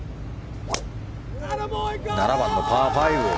７番のパー５。